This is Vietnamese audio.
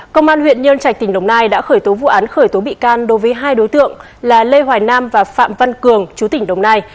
công an huyện nhân trạch tỉnh đồng nai đã khởi tố vụ án khởi tố bị can đối với hai đối tượng là lê hoài nam và phạm văn cường chú tỉnh đồng nai